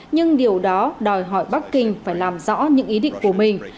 nhưng điều đó đòi hỏi bắc kinh phải làm rõ những ý định của mình